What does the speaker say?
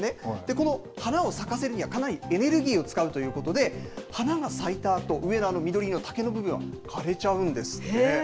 この花を咲かせるには、かなりエネルギーを使うということで、花が咲いたあと、上の緑色の竹の部分は枯れちゃうんですって。